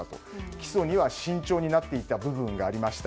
起訴には慎重になっていた部分がありました。